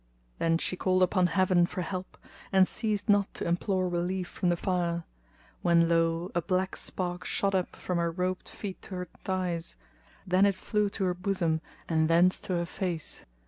Then she called upon Heaven for help and ceased not to implore relief from the fire; when lo! a black spark shot up from her robed feet to her thighs; then it flew to her bosom and thence to her face.